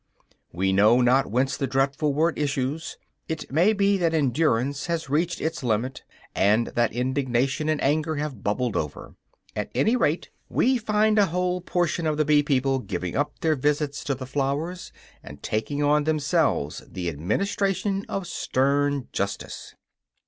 We know not whence the dreadful word issues; it may be that endurance has reached its limit, and that indignation and anger have bubbled over. At any rate we find a whole portion of the bee people giving up their visits to the flowers, and taking on themselves the administration of stern justice.